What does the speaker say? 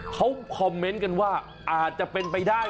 เขาคอมเมนต์กันว่าอาจจะเป็นไปได้